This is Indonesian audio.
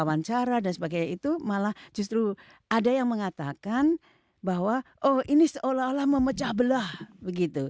wawancara dan sebagainya itu malah justru ada yang mengatakan bahwa oh ini seolah olah memecah belah begitu